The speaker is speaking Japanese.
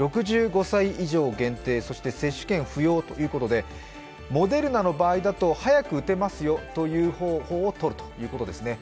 ６５歳以上限定、そして接種券不要ということで、モデルナの場合だと早く打てますよという方法をとるということです。